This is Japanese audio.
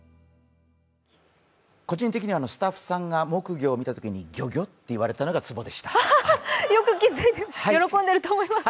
個人的にはスタッフさんが木魚を見たときにギョギョって言われたのが、ツボでした。